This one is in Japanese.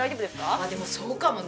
あっでもそうかもね。